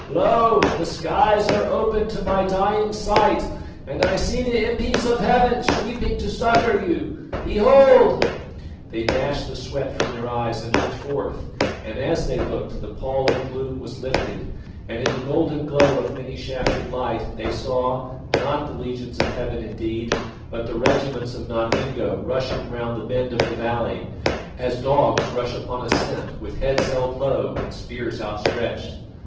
"Lo! the skies are open to my dying sight, and I see the impis of Heaven sweeping to succour you. Behold!" They dashed the sweat from their eyes and looked forth, and as they looked, the pall of gloom was lifted, and in the golden glow of many shafted light, they saw, not the legions of Heaven indeed, but the regiments of Nodwengo rushing round the bend of the valley, as dogs rush upon a scent, with heads held low and spears outstretched.